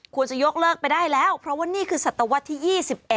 ควรจะยกเลิกไปได้แล้วเพราะว่านี่คือศตวรรษที่๒๑